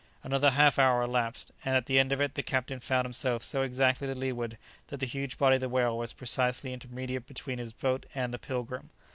Another half hour elapsed, and at the end of it the captain found himself so exactly to leeward that the huge body of the whale was precisely intermediate between his boat and the "Pilgrim."